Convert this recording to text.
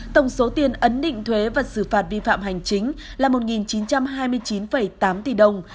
tổng số tiền ấn định thuế và xử phạt vi phạm hành chính là một chín trăm hai mươi chín tám tỷ đồng